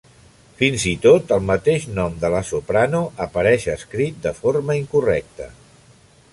Fins i tot el mateix nom de la soprano apareix escrit de forma incorrecta.